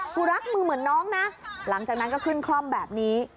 กูรักมือเหมือนน้องนะหลังจากนั้นก็ขึ้นคล่อมแบบนี้